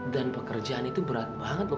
dan pekerjaan itu berat banget loh